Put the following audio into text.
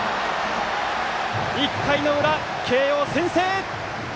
１回の裏、慶応、先制！